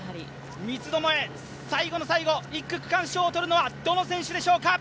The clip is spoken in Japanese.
三つどもえ、最後の最後、１区区間賞を取るのは誰でしょうか。